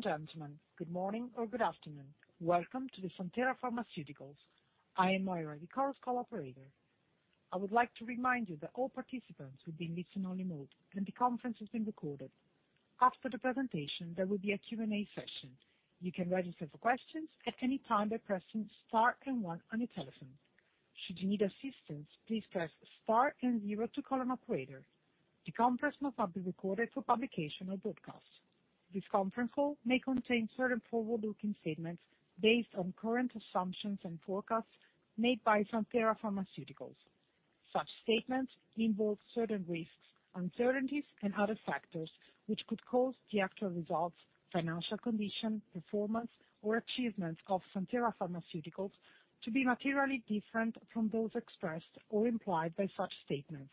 Ladies and gentlemen, good morning or good afternoon. Welcome to the Santhera Pharmaceuticals. I am Moira, the call's operator. I would like to remind you that all participants will be in listen-only mode, and the conference is being recorded. After the presentation, there will be a Q&A session. You can register for questions at any time by pressing star and 1 on your telephone. Should you need assistance, please press star and 0 to call an operator. The conference must not be recorded for publication or broadcast. This conference call may contain certain forward-looking statements based on current assumptions and forecasts made by Santhera Pharmaceuticals. Such statements involve certain risks, uncertainties, and other factors which could cause the actual results, financial condition, performance, or achievements of Santhera Pharmaceuticals to be materially different from those expressed or implied by such statements.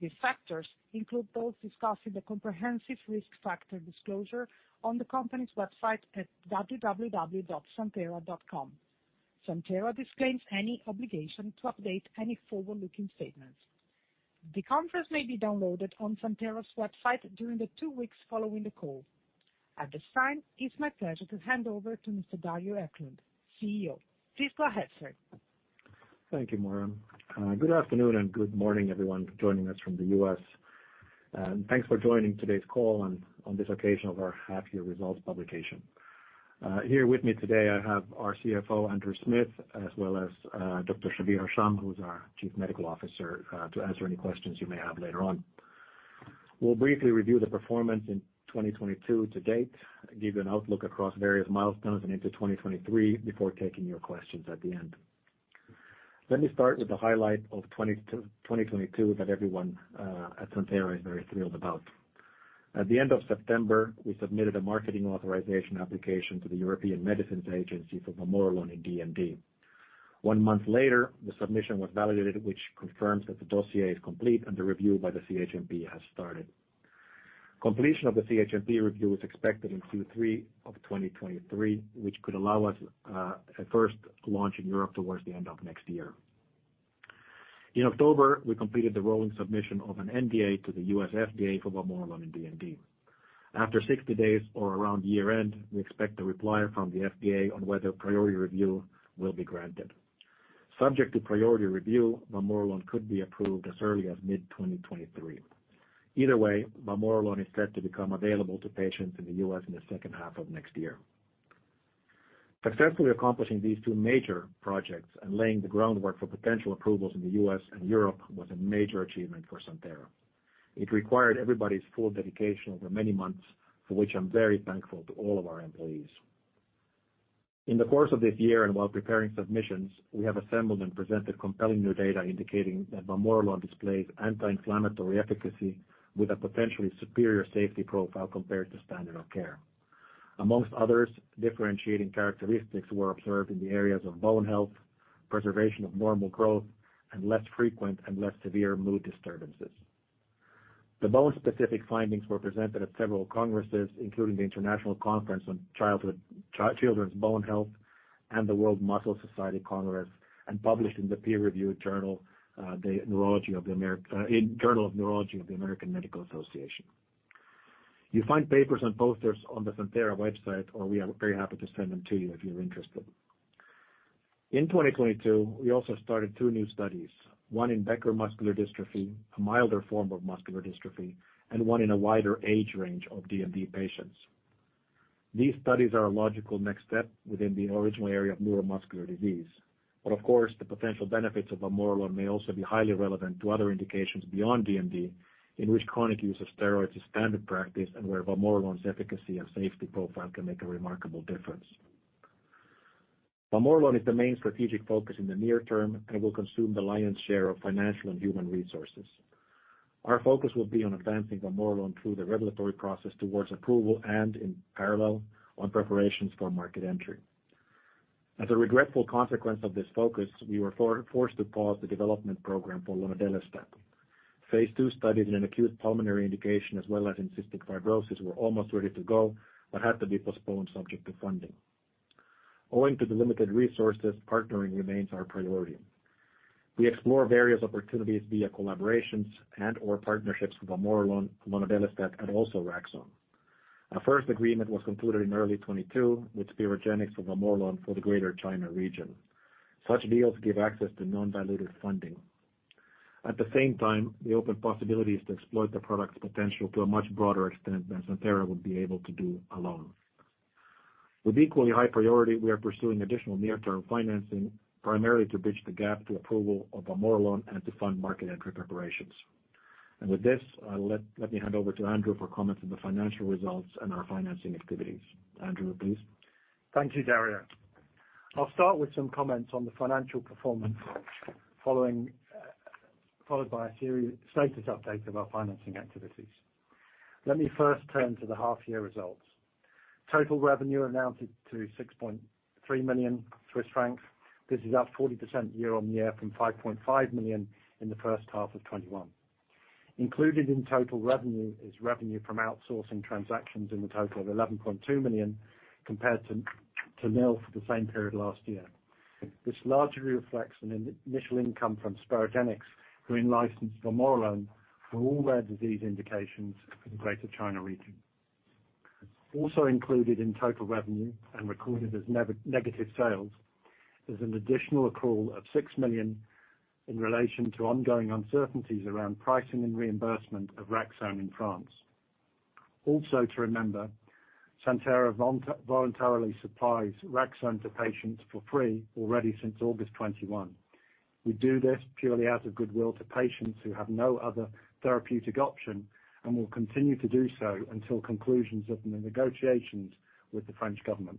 These factors include those discussed in the comprehensive risk factor disclosure on the company's website at www.santhera.com. Santhera disclaims any obligation to update any forward-looking statements. The conference may be downloaded on Santhera's website during the two weeks following the call. At this time, it's my pleasure to hand over to Mr. Dario Eklund, CEO. Please go ahead, sir. Thank you, Moira. Good afternoon and good morning, everyone joining us from the U.S., and thanks for joining today's call on this occasion of our half year results publication. Here with me today, I have our CFO, Andrew Smith, as well as, Dr. Shabir Hasham, who's our Chief Medical Officer, to answer any questions you may have later on. We'll briefly review the performance in 2022 to date, give you an outlook across various milestones and into 2023 before taking your questions at the end. Let me start with the highlight of 2022 that everyone at Santhera is very thrilled about. At the end of September, we submitted a marketing authorization application to the European Medicines Agency for vamorolone and DMD. One month later, the submission was validated, which confirms that the dossier is complete and the review by the CHMP has started. Completion of the CHMP review is expected in Q3 of 2023, which could allow us a first launch in Europe towards the end of next year. In October, we completed the rolling submission of an NDA to the U.S. FDA for vamorolone and DMD. After 60 days or around year-end, we expect a reply from the FDA on whether priority review will be granted. Subject to priority review, vamorolone could be approved as early as mid-2023. Either way, vamorolone is set to become available to patients in the U.S. in the second half of next year. Successfully accomplishing these two major projects and laying the groundwork for potential approvals in the U.S. and Europe was a major achievement for Santhera. It required everybody's full dedication over many months, for which I'm very thankful to all of our employees. In the course of this year and while preparing submissions, we have assembled and presented compelling new data indicating that vamorolone displays anti-inflammatory efficacy with a potentially superior safety profile compared to standard of care. Among others, differentiating characteristics were observed in the areas of bone health, preservation of normal growth, and less frequent and less severe mood disturbances. The bone-specific findings were presented at several congresses, including the International Conference on Children's Bone Health and the World Muscle Society Congress, and published in the peer-reviewed journal JAMA Neurology of the American Medical Association. You find papers and posters on the Santhera website, or we are very happy to send them to you if you're interested. In 2022, we also started two new studies, one in Becker muscular dystrophy, a milder form of muscular dystrophy, and one in a wider age range of DMD patients. These studies are a logical next step within the original area of neuromuscular disease. Of course, the potential benefits of vamorolone may also be highly relevant to other indications beyond DMD, in which chronic use of steroids is standard practice and where vamorolone's efficacy and safety profile can make a remarkable difference. Vamorolone is the main strategic focus in the near term and will consume the lion's share of financial and human resources. Our focus will be on advancing vamorolone through the regulatory process towards approval and in parallel on preparations for market entry. As a regretful consequence of this focus, we were forced to pause the development program for lonodelestat. Phase II studies in an acute pulmonary indication as well as in cystic fibrosis were almost ready to go but had to be postponed subject to funding. Owing to the limited resources, partnering remains our priority. We explore various opportunities via collaborations and/or partnerships with vamorolone, lonodelestat, and also Raxone. Our first agreement was concluded in early 2022 with Sperogenix for vamorolone for the Greater China region. Such deals give access to non-dilutive funding. At the same time, we open possibilities to exploit the product's potential to a much broader extent than Santhera would be able to do alone. With equally high priority, we are pursuing additional near-term financing primarily to bridge the gap to approval of vamorolone and to fund market entry preparations. With this, let me hand over to Andrew for comments on the financial results and our financing activities. Andrew, please. Thank you, Dario. I'll start with some comments on the financial performance, followed by a status update of our financing activities. Let me first turn to the half-year results. Total revenue amounted to 6.3 million Swiss francs. This is up 40% year-on-year from 5.5 million in the first half of 2021. Included in total revenue is revenue from outsourcing transactions in the total of 11.2 million compared to nil for the same period last year. This largely reflects an initial income from Sperogenix who in-licensed vamorolone for all rare disease indications in the Greater China region. Also included in total revenue and recorded as negative sales is an additional accrual of 6 million in relation to ongoing uncertainties around pricing and reimbursement of Raxone in France. Also, to remember, Santhera voluntarily supplies Raxone to patients for free already since August 2021. We do this purely out of goodwill to patients who have no other therapeutic option, and will continue to do so until conclusions of the negotiations with the French government.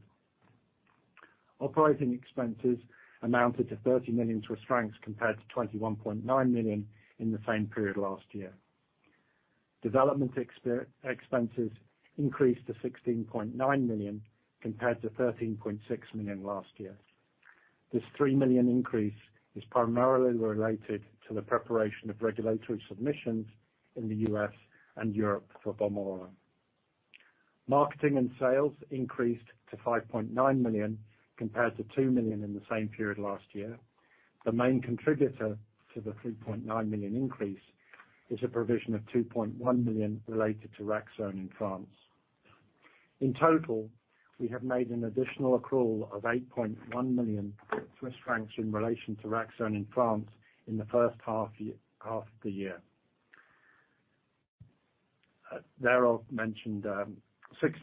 Operating expenses amounted to 30 million Swiss francs compared to 21.9 million in the same period last year. Development expenses increased to 16.9 million compared to 13.6 million last year. This 3 million increase is primarily related to the preparation of regulatory submissions in the U.S. and Europe for vamorolone. Marketing and sales increased to 5.9 million compared to 2 million in the same period last year. The main contributor to the 3.9 million increase is a provision of 2.1 million related to Raxone in France. In total, we have made an additional accrual of 8.1 million Swiss francs in relation to Raxone in France in the first half of the year. Thereof, 6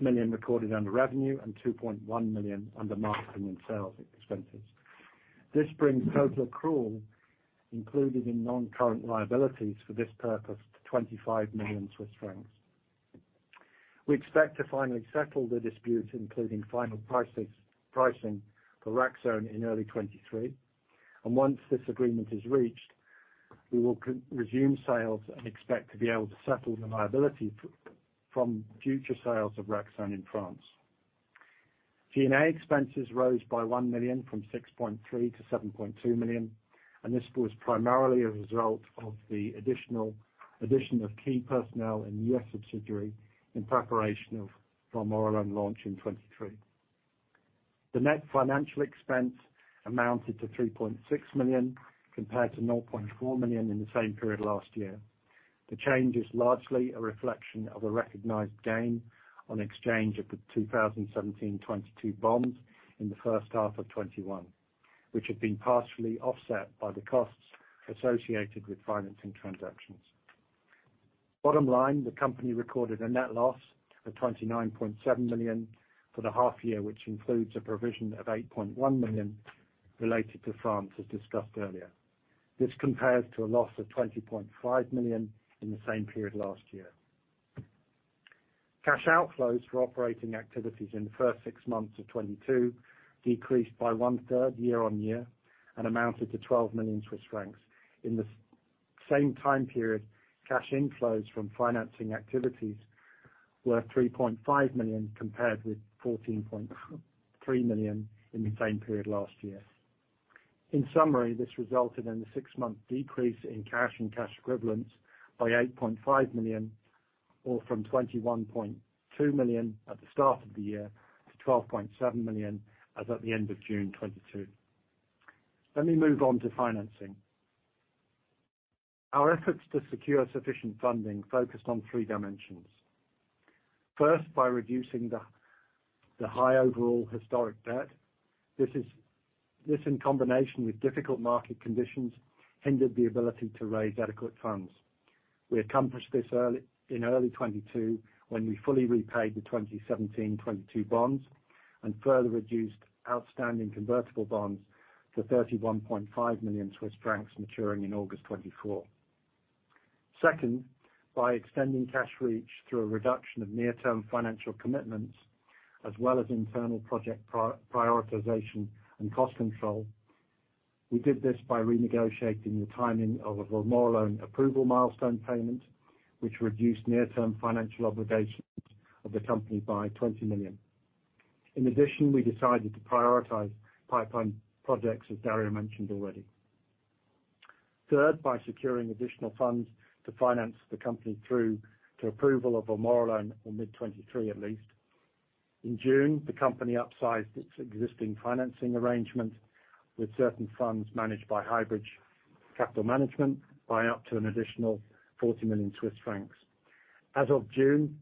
million recorded under revenue and 2.1 million under marketing and sales expenses. This brings total accrual included in non-current liabilities for this purpose to 25 million Swiss francs. We expect to finally settle the dispute, including final pricing for Raxone in early 2023. Once this agreement is reached, we will resume sales and expect to be able to settle the liability from future sales of Raxone in France. G&A expenses rose by 1 million from 6.3 million to 7.2 million, and this was primarily a result of the addition of key personnel in U.S. subsidiary in preparation of vamorolone launch in 2023. The net financial expense amounted to 3.6 million compared to 0.4 million in the same period last year. The change is largely a reflection of a recognized gain on exchange of the 2017 '22 bonds in the first half of 2021, which have been partially offset by the costs associated with financing transactions. Bottom line, the company recorded a net loss of 29.7 million for the half year, which includes a provision of 8.1 million related to France, as discussed earlier. This compares to a loss of 20.5 million in the same period last year. Cash outflows for operating activities in the first six months of 2022 decreased by one-third year-over-year and amounted to 12 million Swiss francs. In the same time period, cash inflows from financing activities were 3.5 million, compared with 14.3 million in the same period last year. In summary, this resulted in the six-month decrease in cash and cash equivalents by 8.5 million, or from 21.2 million at the start of the year to 12.7 million as at the end of June 2022. Let me move on to financing. Our efforts to secure sufficient funding focused on three dimensions. First, by reducing the high overall historic debt. This in combination with difficult market conditions hindered the ability to raise adequate funds. We accomplished this in early 2022 when we fully repaid the 2017 '22 bonds and further reduced outstanding convertible bonds to 31.5 million Swiss francs maturing in August 2024. Second, by extending cash reach through a reduction of near-term financial commitments as well as internal project prioritization and cost control. We did this by renegotiating the timing of a vamorolone approval milestone payment, which reduced near-term financial obligations of the company by 20 million. In addition, we decided to prioritize pipeline projects, as Dario mentioned already. Third, by securing additional funds to finance the company through to approval of vamorolone in mid-2023 at least. In June, the company upsized its existing financing arrangement with certain funds managed by Highbridge Capital Management by up to an additional 40 million Swiss francs. As of June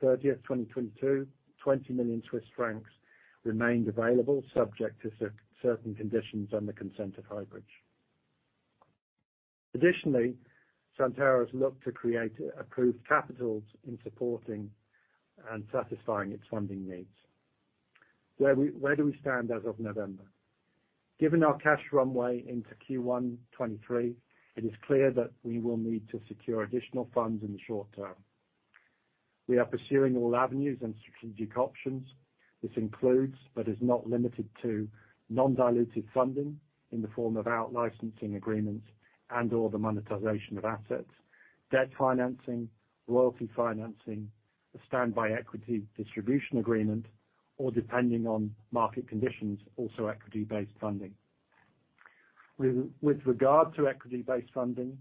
30, 2022, 20 million Swiss francs remained available subject to certain conditions on the consent of Highbridge. Additionally, Santhera has looked to create approved capitals in supporting and satisfying its funding needs. Where do we stand as of November? Given our cash runway into Q1 2023, it is clear that we will need to secure additional funds in the short term. We are pursuing all avenues and strategic options. This includes, but is not limited to, non-dilutive funding in the form of out licensing agreements and/or the monetization of assets, debt financing, royalty financing, a standby equity distribution agreement, or depending on market conditions, also equity-based funding. With regard to equity-based funding,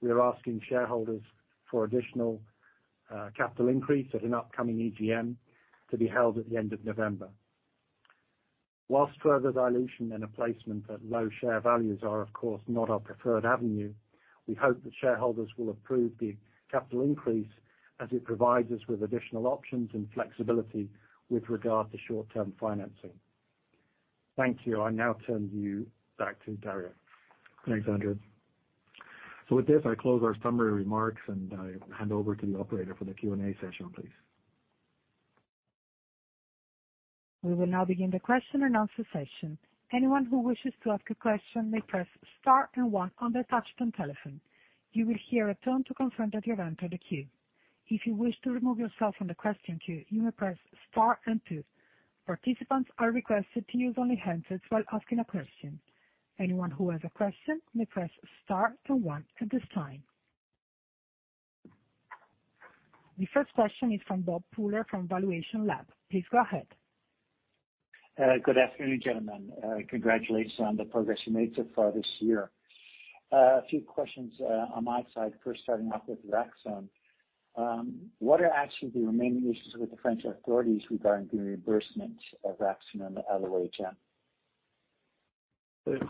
we are asking shareholders for additional capital increase at an upcoming EGM to be held at the end of November. Whilst further dilution in a placement at low share values are, of course, not our preferred avenue, we hope that shareholders will approve the capital increase as it provides us with additional options and flexibility with regard to short-term financing. Thank you. I now turn you back to Dario. Thanks, Andrew. With this, I close our summary remarks, and I hand over to the operator for the Q&A session, please. We will now begin the question and answer session. Anyone who wishes to ask a question may press star and 1 on their touch-tone telephone. You will hear a tone to confirm that you have entered the queue. If you wish to remove yourself from the question queue, you may press star and 2. Participants are requested to use only handsets while asking a question. Anyone who has a question may press star then 1 at this time. The first question is from Bob Pooler from valuationLAB. Please go ahead. Good afternoon, gentlemen. Congratulations on the progress you made so far this year. A few questions on my side. First, starting off with Raxone. What are actually the remaining issues with the French authorities regarding the reimbursement of Raxone and the LHON?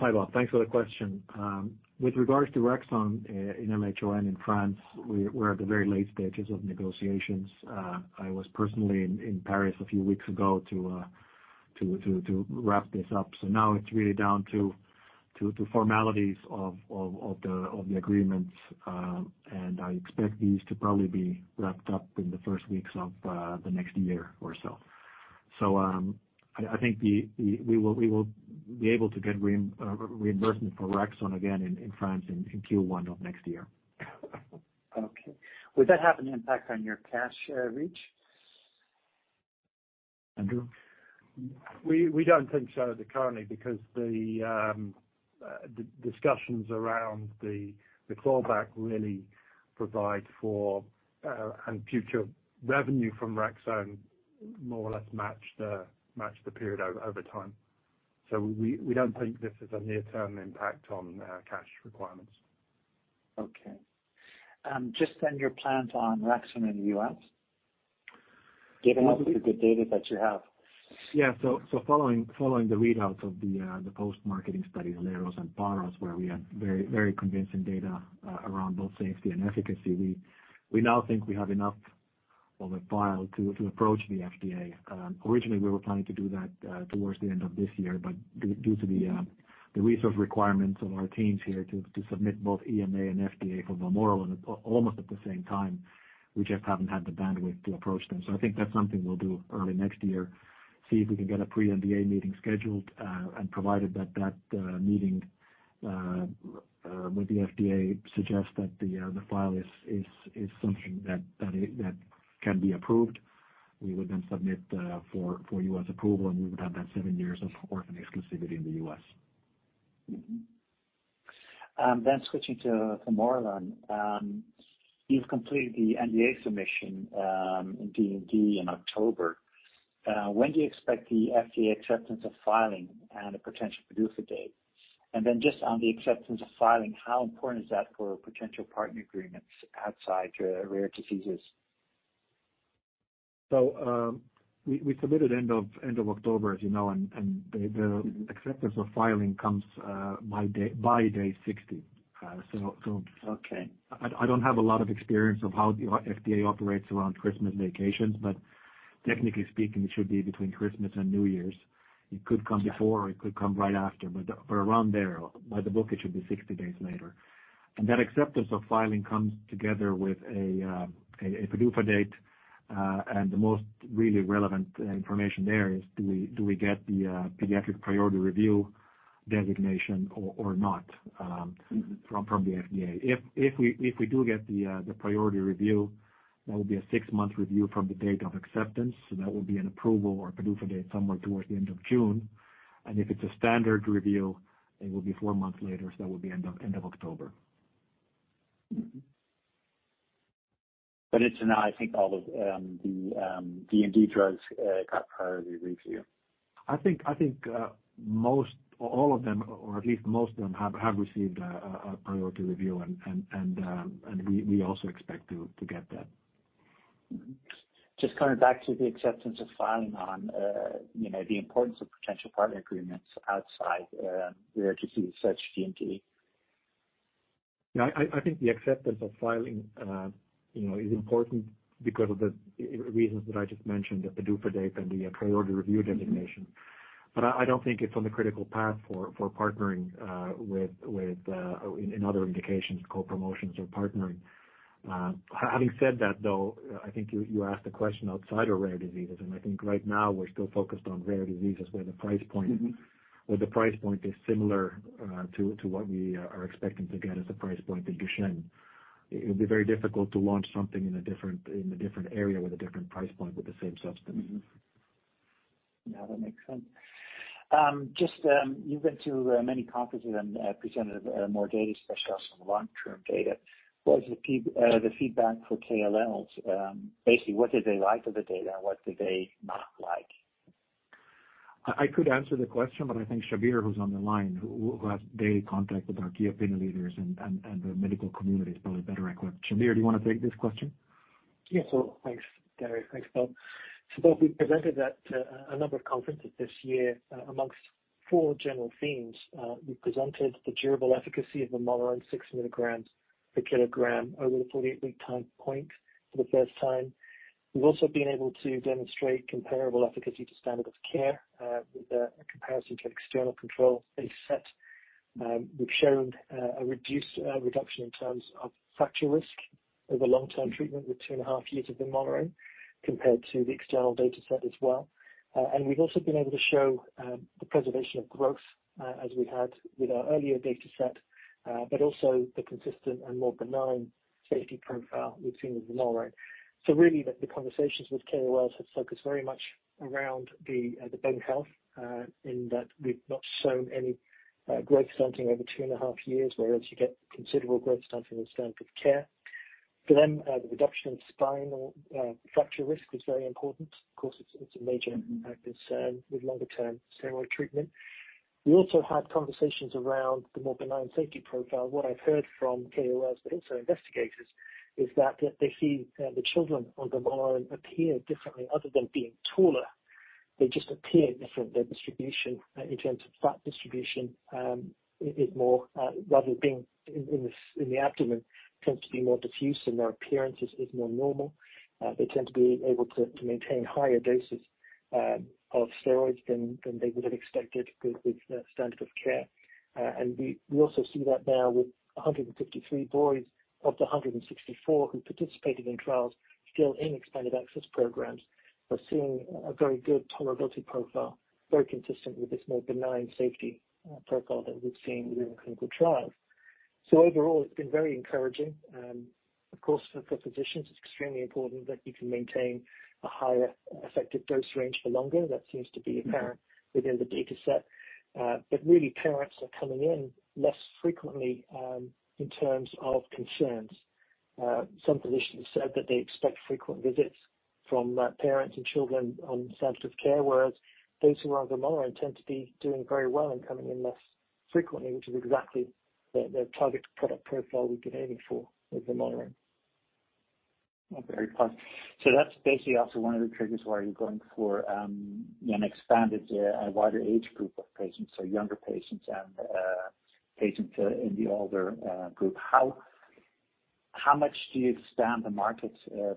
Hi, Bob. Thanks for the question. With regards to Raxone in LHON in France, we're at the very late stages of negotiations. I was personally in Paris a few weeks ago to wrap this up. Now it's really down to formalities of the agreements. I expect these to probably be wrapped up in the first weeks of the next year or so. I think we will be able to get reimbursement for Raxone again in France in Q1 of next year. Okay. Would that have an impact on your cash reach? Andrew? We don't think so currently because the discussions around the clawback really provide for and future revenue from Raxone more or less match the period over time. We don't think this is a near-term impact on cash requirements. Okay. Just then, your plans on Raxone in the U.S., given all the good data that you have? Yeah. Following the readouts of the post-marketing studies, LEROS and BAROS, where we had very convincing data around both safety and efficacy, we now think we have enough of a file to approach the FDA. Originally, we were planning to do that towards the end of this year, but due to the resource requirements on our teams here to submit both EMA and FDA for vamorolone almost at the same time, we just haven't had the bandwidth to approach them. I think that's something we'll do early next year, see if we can get a pre-NDA meeting scheduled. Provided that meeting with the FDA suggests that the filing is something that can be approved, we would then submit for U.S. approval, and we would have that seven years of orphan exclusivity in the U.S. Switching to vamorolone. You've completed the NDA submission in DMD in October. When do you expect the FDA acceptance of filing and a potential PDUFA date? Just on the acceptance of filing, how important is that for potential partner agreements outside your rare diseases? We submitted end of October, as you know, and the acceptance of filing comes by day 60. Okay. I don't have a lot of experience of how the FDA operates around Christmas vacations, but technically speaking, it should be between Christmas and New Year's. It could come before, or it could come right after, but around there. By the book, it should be 60 days later. That acceptance of filing comes together with a PDUFA date. The most really relevant information there is, do we get the pediatric priority review designation or not. Mm-hmm. from the FDA. If we do get the priority review, that will be a six-month review from the date of acceptance. That will be an approval or PDUFA date somewhere towards the end of June. If it's a standard review, it will be four months later. That will be end of October. Mm-hmm. It's now, I think, all of the D and D drugs got priority review. I think most or all of them, or at least most of them have received a priority review. We also expect to get that. Mm-hmm. Just coming back to the acceptance of filing on, you know, the importance of potential partner agreements outside rare disease such as DMD. Yeah. I think the acceptance of filing, you know, is important because of the reasons that I just mentioned, the PDUFA date and the priority review designation. Mm-hmm. I don't think it's on the critical path for partnering with in other indications, co-promotions or partnering. Having said that, though, I think you asked the question outside of rare diseases, and I think right now we're still focused on rare diseases where the price point- Mm-hmm. Where the price point is similar to what we are expecting to get as a price point in Duchenne. It would be very difficult to launch something in a different area with a different price point with the same substance. Mm-hmm. Yeah, that makes sense. Just, you've been to many conferences and presented more data, especially also long-term data. What is the feedback for KOLs? Basically, what did they like of the data, and what did they not like? I could answer the question, but I think Shabir, who's on the line, who has daily contact with our key opinion leaders and the medical community is probably better equipped. Shabir, do you wanna take this question? Yeah. Thanks, Dario. Thanks, Bob. Both we presented that to a number of conferences this year. Among four general themes, we presented the durable efficacy of vamorolone 6 milligrams per kilogram over the 48-week time point for the first time. We've also been able to demonstrate comparable efficacy to standard of care, with a comparison to an external control data set. We've shown a reduction in terms of fracture risk over long-term treatment with 2.5 years of vamorolone compared to the external data set as well. And we've also been able to show the preservation of growth, as we had with our earlier data set, but also the consistent and more benign safety profile we've seen with vamorolone. Really the conversations with KOLs have focused very much around the bone health in that we've not shown any growth stunting over two and a half years, whereas you get considerable growth stunting with standard of care. For them, the reduction in spinal fracture risk is very important. Of course, it's a major practice with longer term steroid treatment. We also had conversations around the more benign safety profile. What I've heard from KOLs, but also investigators, is that they see the children on vamorolone appear differently other than being taller. They just appear different. Their distribution in terms of fat distribution is more diffuse rather than being in the abdomen, tends to be more diffuse and their appearance is more normal. They tend to be able to maintain higher doses of steroids than they would have expected with the standard of care. We also see that now with 153 boys of the 164 who participated in trials still in expanded access programs. We're seeing a very good tolerability profile, very consistent with this more benign safety profile that we've seen within clinical trials. Overall, it's been very encouraging. Of course, for physicians, it's extremely important that you can maintain a higher effective dose range for longer. That seems to be apparent within the data set. Really parents are coming in less frequently in terms of concerns. Some physicians said that they expect frequent visits from parents and children on standard of care, whereas those who are on vamorolone tend to be doing very well and coming in less frequently, which is exactly the target product profile we've been aiming for with vamorolone. Okay. That's basically also one of the triggers why you're going for an expanded wider age group of patients, so younger patients and patients in the older group. How much do you expand the market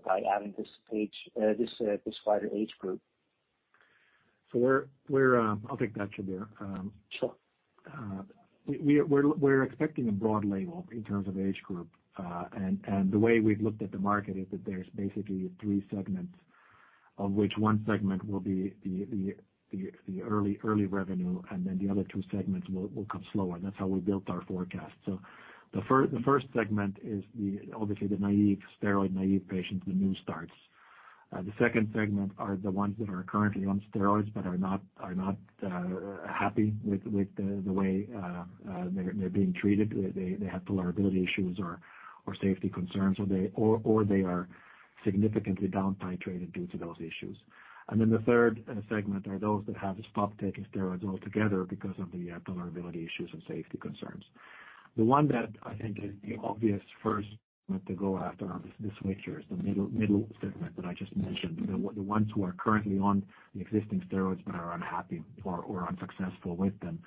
by adding this wider age group? I'll take that, Shabir. Sure. We are expecting a broad label in terms of age group. The way we've looked at the market is that there's basically three segments, of which one segment will be the early revenue, and then the other two segments will come slower. That's how we built our forecast. The first segment is obviously the naive, steroid-naive patients, the new starts. The second segment are the ones that are currently on steroids but are not happy with the way they're being treated. They have tolerability issues or safety concerns, or they are significantly down titrated due to those issues. The third segment are those that have stopped taking steroids altogether because of the tolerability issues and safety concerns. The one that I think is the obvious first one to go after on this switch here is the middle segment that I just mentioned, the ones who are currently on the existing steroids but are unhappy or unsuccessful with them.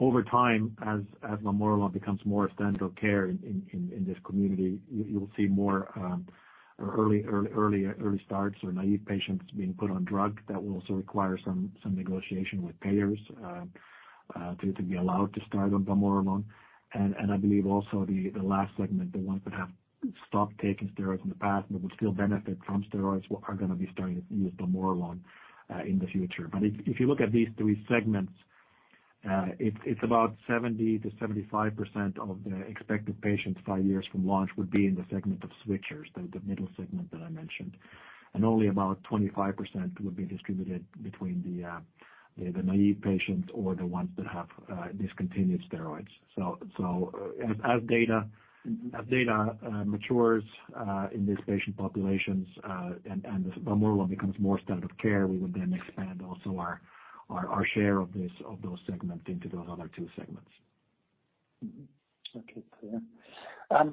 Over time, as vamorolone becomes more standard care in this community, you'll see more early starts or naive patients being put on drug. That will also require some negotiation with payers to be allowed to start on vamorolone. I believe also the last segment, the ones that have stopped taking steroids in the past but would still benefit from steroids are gonna be starting to use vamorolone in the future. If you look at these three segments, it's about 70%-75% of the expected patients five years from launch would be in the segment of switchers, the middle segment that I mentioned. Only about 25% would be distributed between the naive patients or the ones that have discontinued steroids. As data matures in these patient populations and as vamorolone becomes more standard of care, we would then expand also our share of those segments into those other two segments. Okay. Clear.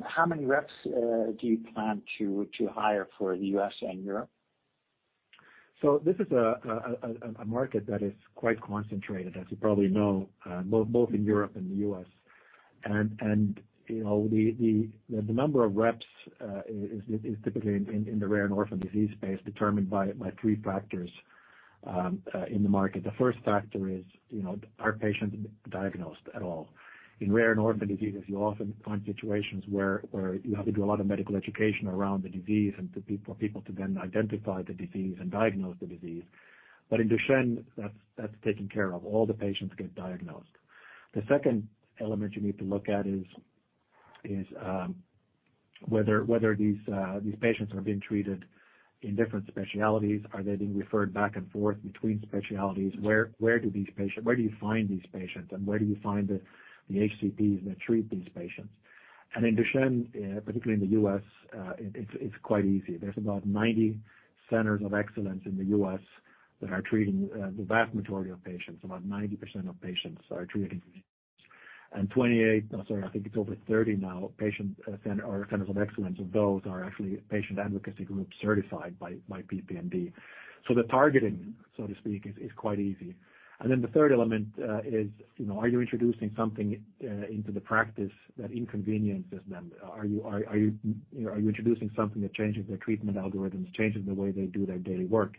How many reps do you plan to hire for the U.S. and Europe? This is a market that is quite concentrated, as you probably know, both in Europe and the U.S. You know, the number of reps is typically in the rare and orphan disease space determined by three factors in the market. The first factor is, you know, are patients diagnosed at all? In rare and orphan diseases, you often find situations where you have to do a lot of medical education around the disease for people to then identify the disease and diagnose the disease. In Duchenne, that's taken care of. The second element you need to look at is whether these patients are being treated in different specialties. Are they being referred back and forth between specialties? Where do you find these patients, and where do you find the HCPs that treat these patients? In Duchenne, particularly in the U.S., it's quite easy. There's about 90 centers of excellence in the U.S. that are treating the vast majority of patients. About 90% of patients are treated. 28, no sorry, I think it's over 30 now, centers of excellence, and those are actually patient advocacy groups certified by PPMD. The targeting, so to speak, is quite easy. Then the third element is, you know, are you introducing something into the practice that inconveniences them? Are you know, introducing something that changes their treatment algorithms, changes the way they do their daily work?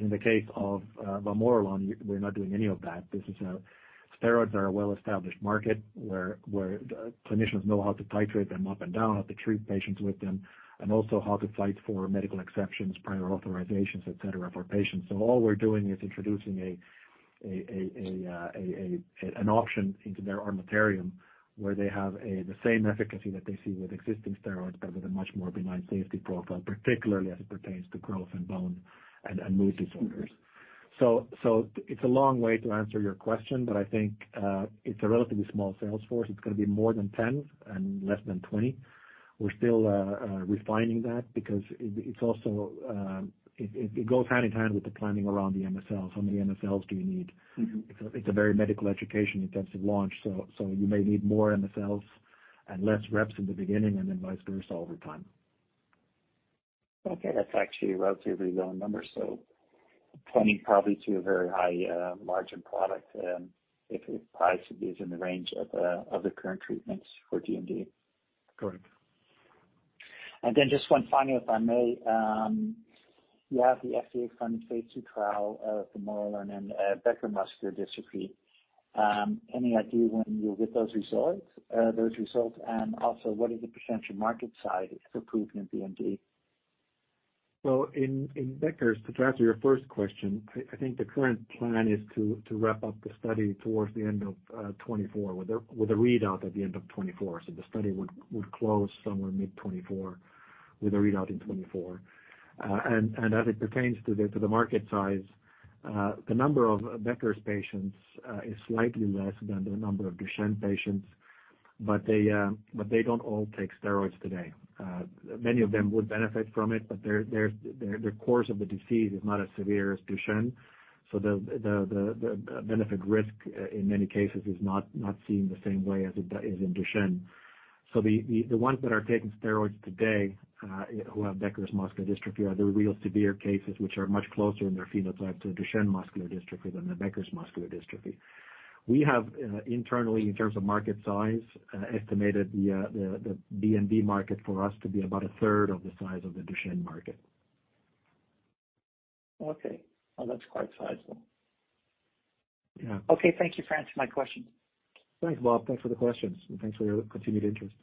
In the case of vamorolone, we're not doing any of that. Steroids are a well-established market where clinicians know how to titrate them up and down, how to treat patients with them, and also how to fight for medical exceptions, prior authorizations, et cetera, for patients. All we're doing is introducing an option into their armamentarium where they have the same efficacy that they see with existing steroids but with a much more benign safety profile, particularly as it pertains to growth and bone and mood disorders. It's a long way to answer your question, but I think it's a relatively small sales force. It's gonna be more than 10 and less than 20. We're still refining that because it's also it goes hand in hand with the planning around the MSLs. How many MSLs do you need? Mm-hmm. It's a very medical education-intensive launch, so you may need more MSLs and less reps in the beginning and then vice versa over time. Okay. That's actually a relatively low number, so pointing probably to a very high margin product, if price is in the range of other current treatments for DMD. Correct. Just one final if I may. You have the FDA-funded phase II trial of vamorolone in Becker muscular dystrophy. Any idea when you'll get those results? Also, what is the potential market size if approved in BMD? In Becker's, to answer your first question, I think the current plan is to wrap up the study towards the end of 2024 with a readout at the end of 2024. The study would close somewhere mid-2024 with a readout in 2024. As it pertains to the market size, the number of Becker's patients is slightly less than the number of Duchenne patients, but they don't all take steroids today. Many of them would benefit from it, but their course of the disease is not as severe as Duchenne, so the benefit risk in many cases is not seen the same way as it is in Duchenne. The ones that are taking steroids today, who have Becker muscular dystrophy are the real severe cases which are much closer in their phenotype to Duchenne muscular dystrophy than the Becker muscular dystrophy. We have internally, in terms of market size, estimated the BMD market for us to be about 1/3 of the size of the Duchenne market. Okay. Well, that's quite sizable. Yeah. Okay. Thank you for answering my question. Thanks, Bob. Thanks for the questions, and thanks for your continued interest.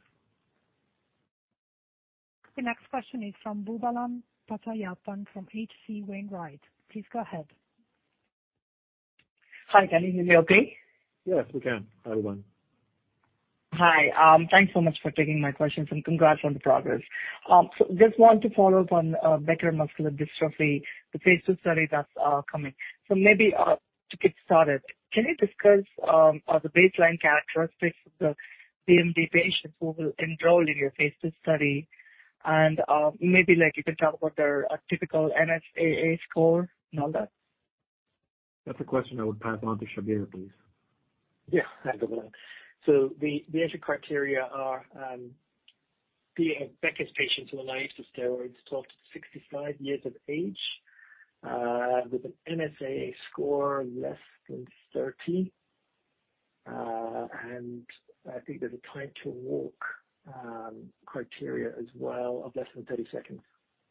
The next question is from Boobalan Pachaiyappan from H.C. Wainwright. Please go ahead. Hi. Can you hear me okay? Yes, we can. Hi, Boobalan. Hi. Thanks so much for taking my questions, and congrats on the progress. Just want to follow up on Becker muscular dystrophy, the phase II study that's coming. Maybe to get started, can you discuss the baseline characteristics of the BMD patients who will enroll in your phase II study? Maybe like you can talk about their typical NSAA score and all that. That's a question I would pass on to Shabir, please. Yeah. Hi, Boobalan. The entry criteria are being a Becker's patient who are naive to steroids, 12 to 65 years of age, with an NSAA score less than 30. I think there's a time to walk criteria as well of less than 30 seconds.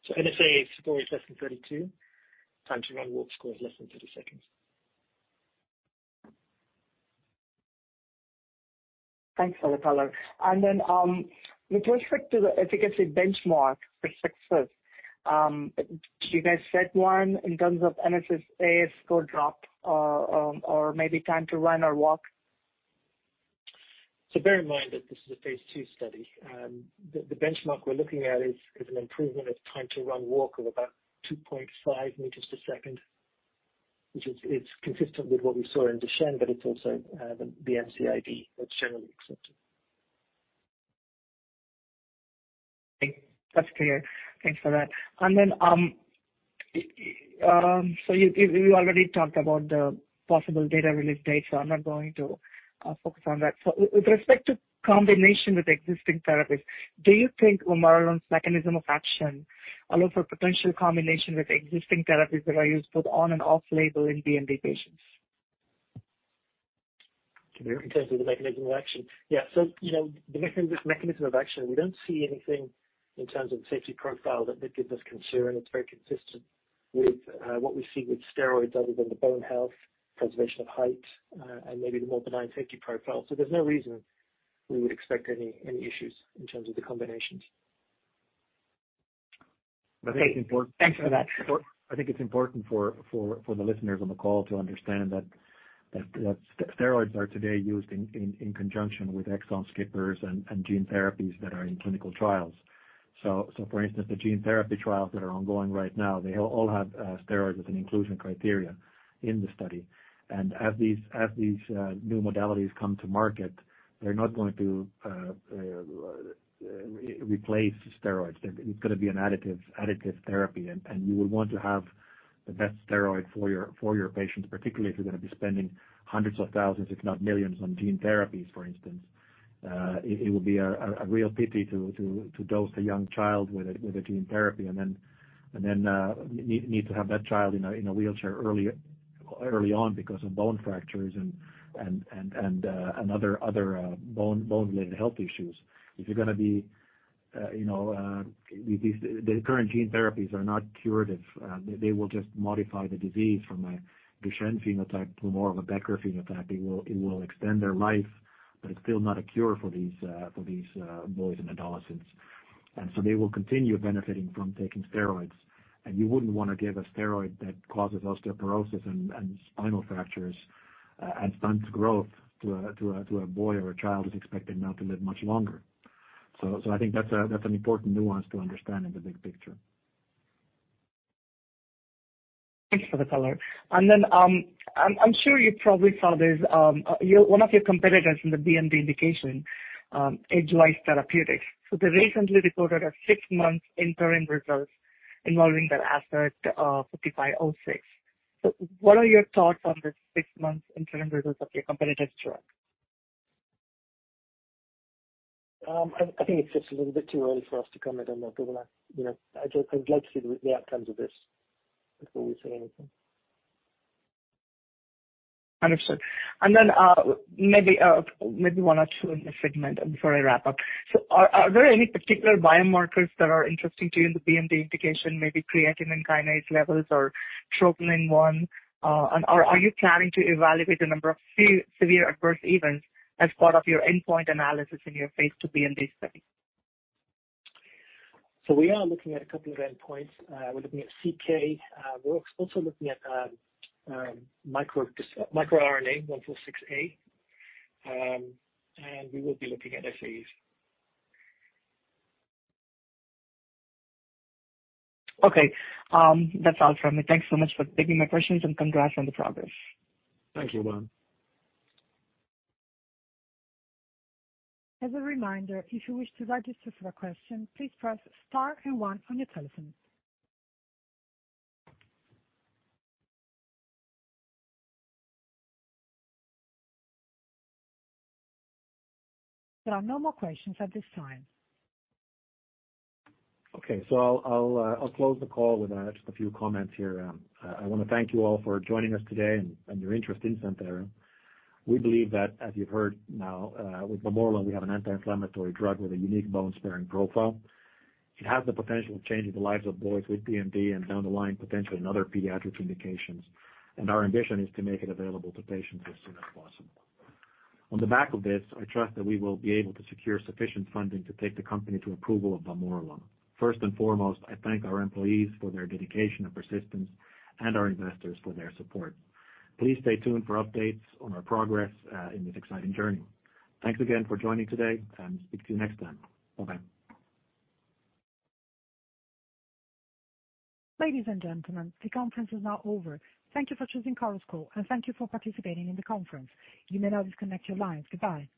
NSAA score is less than 32. Time to run/walk score is less than 30 seconds. Thanks for the color. With respect to the efficacy benchmark for success, do you guys set one in terms of NSAA score drop or maybe time to run or walk? Bear in mind that this is a phase II study. The benchmark we're looking at is an improvement of time to run/walk of about 2.5 meters per second, which is it's consistent with what we saw in Duchenne, but it's also the MCID that's generally accepted. Okay. That's clear. Thanks for that. You already talked about the possible data release date, so I'm not going to focus on that. With respect to combination with existing therapies, do you think vamorolone's mechanism of action allow for potential combination with existing therapies that are used both on and off label in BMD patients? Shabbir? In terms of the mechanism of action? Yeah. You know, the mechanism of action, we don't see anything in terms of the safety profile that would give us concern. It's very consistent with what we see with steroids other than the bone health, preservation of height, and maybe the more benign safety profile. There's no reason we would expect any issues in terms of the combinations. Okay. Thanks for that. I think it's important for the listeners on the call to understand that steroids are today used in conjunction with exon skippers and gene therapies that are in clinical trials. For instance, the gene therapy trials that are ongoing right now, they all have steroids as an inclusion criteria in the study. As these new modalities come to market, they're not going to replace steroids. It's gonna be an additive therapy, and you would want to have the best steroid for your patients, particularly if you're gonna be spending hundreds of thousands, if not millions, on gene therapies, for instance. It would be a real pity to dose a young child with a gene therapy and then need to have that child in a wheelchair early on because of bone fractures and other bone-related health issues. The current gene therapies are not curative. They will just modify the disease from a Duchenne phenotype to more of a Becker phenotype. It will extend their life, but it's still not a cure for these boys and adolescents. They will continue benefiting from taking steroids. You wouldn't wanna give a steroid that causes osteoporosis and spinal fractures, and stunts growth to a boy or a child who's expected now to live much longer. So I think that's an important nuance to understand in the big picture. Thanks for the color. I'm sure you probably saw this. One of your competitors in the BMD indication, Edgewise Therapeutics. They recently reported six-month interim results involving their asset, EDG-5506. What are your thoughts on the six-month interim results of your competitor's drug? I think it's just a little bit too early for us to comment on that. You know, I just would like to see the outcomes of this before we say anything. Understood. Maybe one or two in the segment before I wrap up. Are there any particular biomarkers that are interesting to you in the BMD indication, maybe creatine kinase levels or troponin I? Are you planning to evaluate the number of severe adverse events as part of your endpoint analysis in your phase II BMD study? We are looking at a couple of endpoints. We're looking at CK. We're also looking at microRNA-146a. We will be looking at SAEs. Okay. That's all from me. Thanks so much for taking my questions and congrats on the progress. Thank you, Boobalan. As a reminder, if you wish to register for a question, please press star and one on your telephone. There are no more questions at this time. Okay. I'll close the call with just a few comments here. I wanna thank you all for joining us today and your interest in Santhera. We believe that, as you've heard now, with vamorolone, we have an anti-inflammatory drug with a unique bone-sparing profile. It has the potential to change the lives of boys with BMD and down the line, potentially in other pediatric indications. Our ambition is to make it available to patients as soon as possible. On the back of this, I trust that we will be able to secure sufficient funding to take the company to approval of vamorolone. First and foremost, I thank our employees for their dedication and persistence and our investors for their support. Please stay tuned for updates on our progress in this exciting journey. Thanks again for joining today, and speak to you next time. Bye-bye. Ladies and gentlemen, the conference is now over. Thank you for choosing Chorus Call, and thank you for participating in the conference. You may now disconnect your lines. Goodbye.